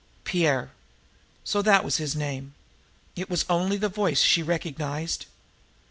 Pierre! So that was his name! It was only the voice she recognized.